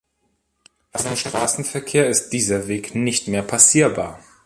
Für den Straßenverkehr ist dieser Weg nicht mehr passierbar.